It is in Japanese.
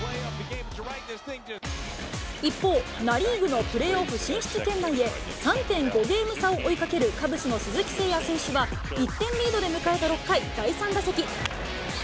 一方、ナ・リーグのプレーオフ進出圏内へ、３．５ゲーム差を追いかけるカブスの鈴木誠也選手は、１点リードで迎えた６回、第３打席。